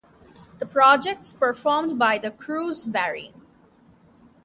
The projects performed by the crews vary.